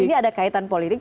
ini ada kaitan politik